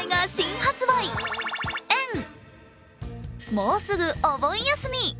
もうすぐお盆休み。